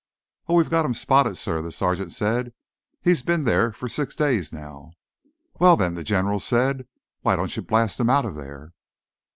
"Oh, we've got him spotted, sir," the sergeant said. "He's been there for six days now." "Well, then," the general said, "why don't you blast him out of there?"